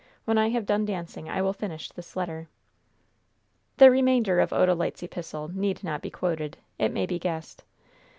When I have done dancing I will finish this letter." The remainder of Odalite's epistle need not be quoted. It may be guessed.